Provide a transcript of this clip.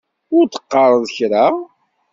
Ur d-teqqareḍ kra?